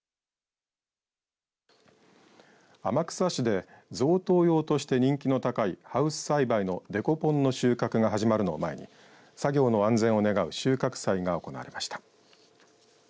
天草市で贈答用として人気の高いハウス栽培のデコポンの収穫が始まるのを前に作業の安全を願う収穫祭が行われました。